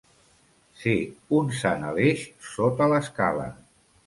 Ser un sant Aleix sota l'escala.